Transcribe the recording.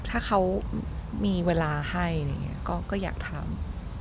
ถ้าเขามีเวลาให้ก็อยากทำ